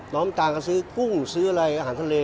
น้ำตาลก็ซื้อกุ้งซื้ออะไรอาหารทะเล